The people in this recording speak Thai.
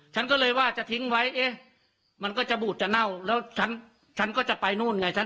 ฉันก็เลยว่าจะทิ้งไว้เอ๊ะมันก็จะบูดจะเน่าแล้วฉันก็จะไปนู่นไงฉัน